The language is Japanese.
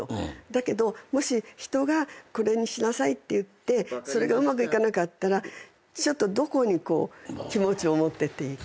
だけどもし人が「これにしなさい」って言ってそれがうまくいかなかったらちょっとどこに気持ちを持ってっていいか。